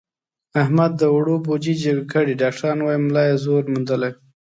احمد د اوړو بوجۍ جګه کړې، ډاکټران وایي ملا یې زور موندلی.